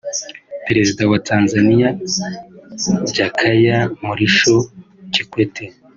Perezida wa Tanzania Jakaya Mrisho Kikwete